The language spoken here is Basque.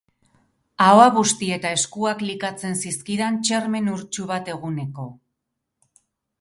Ahoa busti eta eskuak likatzen zizkidan txermen urtsu bat eguneko.